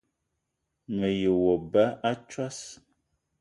Me ye wo ba a tsos